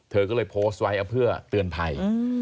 เธอก็เลยโพสต์ไว้เพื่อเตือนภัย